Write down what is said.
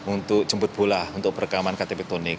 untuk jemput bola untuk perekaman ktp elektronik